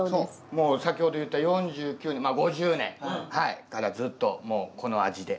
もう先ほど言った４９年まあ５０年からずっともうこの味で。